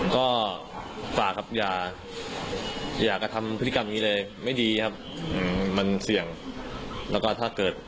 ก็ฝากครับอย่าอย่ากระทำพฤติกรรมอย่างนี้เลยไม่ดีครับมันเสี่ยงแล้วก็ถ้าเกิด